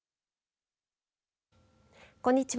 こんにちは。